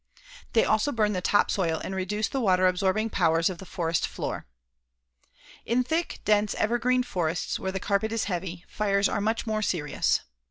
They also burn the top soil and reduce the water absorbing powers of the forest floor. In thick, dense evergreen forests where the carpet is heavy, fires are much more serious.